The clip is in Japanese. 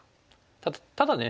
ただね